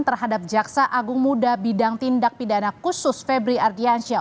terhadap jaksa agung muda bidang tindak pidana khusus febri ardiansyah